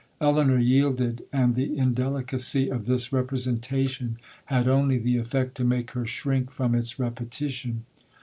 Elinor yielded,—and the indelicacy of this representation, had only the effect to make her shrink from its repetition.